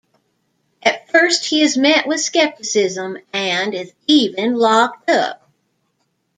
At first he is met with scepticism, and is even locked up.